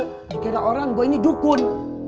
gara gara orang gue ini dukun